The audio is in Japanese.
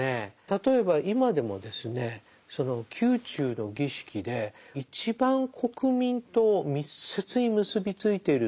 例えば今でもですねその宮中の儀式で一番国民と密接に結び付いているのは歌会始なんですね。